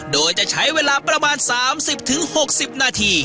โดยจะใช้เวลาประมาณ๓๐๖๐นาที